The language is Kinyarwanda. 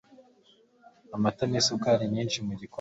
amata nisukari nyinshi mu gikoma